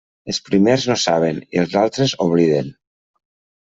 Els primers no saben, i els altres obliden.